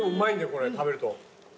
これ食べると。